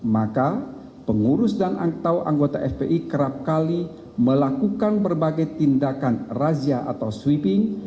maka pengurus dan atau anggota fpi kerap kali melakukan berbagai tindakan razia atau sweeping